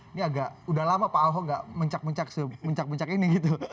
ini agak udah lama pak ahok gak mencak mencak ini gitu